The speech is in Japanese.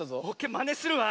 まねするわ。